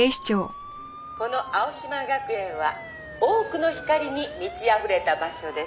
「この青嶋学園は多くの光に満ちあふれた場所です」